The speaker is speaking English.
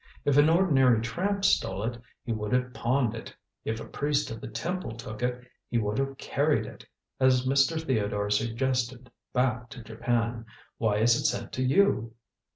If an ordinary tramp stole it, he would have pawned it; if a priest of the temple took it, he would have carried it, as Mr. Theodore suggested, back to Japan. Why is it sent to you?"